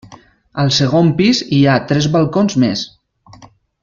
Al segon pis hi ha tres balcons més.